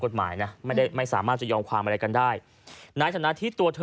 กฎหมายนะไม่ได้ไม่สามารถจะยอมความอะไรกันได้ในฐานะที่ตัวเธอ